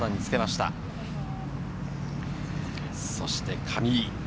そして上井。